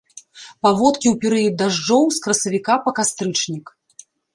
Паводкі ў перыяд дажджоў, з красавіка па кастрычнік.